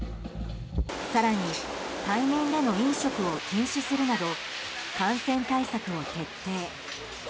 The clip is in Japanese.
更に対面での飲食を禁止するなど感染対策を徹底。